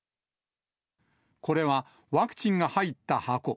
これは、ワクチンが入った箱。